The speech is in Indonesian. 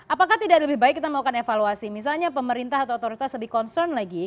apakah tidak lebih baik kita melakukan evaluasi misalnya pemerintah atau otoritas lebih concern lagi